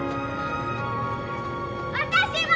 私も！